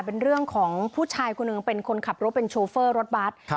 เป็นเรื่องของผู้ชายคนหนึ่งเป็นคนขับรถเป็นโชเฟอร์รถบัตร